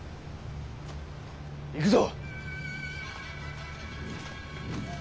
行くぞ！